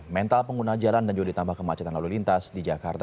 mental pengguna jalan dan juga ditambah kemacetan lalu lintas di jakarta